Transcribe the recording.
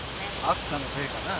暑さのせいかな。